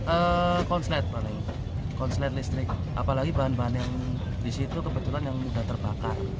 eh konslet paling konslet listrik apalagi bahan bahan yang di situ kebetulan yang sudah terbakar